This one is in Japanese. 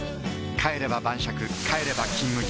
帰れば晩酌帰れば「金麦」